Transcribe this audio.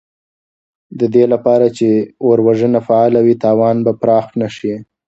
د دې لپاره چې اور وژنه فعاله وي، تاوان به پراخ نه شي.